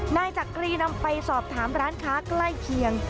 นายจักรีนำไปสอบถามร้านค้าใกล้เคียง